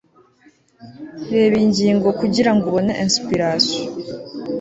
reba iyi ngingo kugirango ubone inspiration